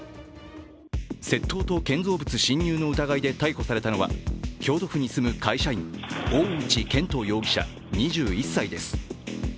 窃盗と建造物侵入の疑いで逮捕されたのは京都府に住む会社員、大内拳斗容疑者２１歳です。